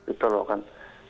itu loh kan